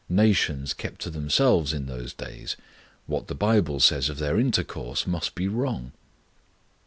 Nations kept to themselves in those days. What the Bible says of their intercourse must be wrong.'